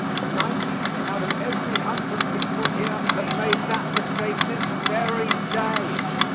Ninety out of every hundred people here have made that mistake this very day.